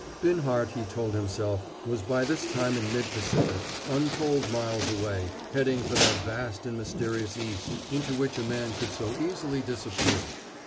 Binhart, he told himself, was by this time in mid Pacific, untold miles away, heading for that vast and mysterious East into which a man could so easily disappear.